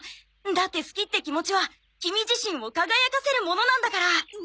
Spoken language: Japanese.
だって好きって気持ちはキミ自身を輝かせるものなんだから。